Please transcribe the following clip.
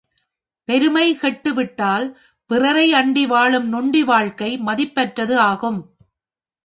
பெருமை கெட்டு விட்டால் பிறரை அண்டி வாழும் நொண்டி வாழ்க்கை மதிப்பற்றது ஆகும்.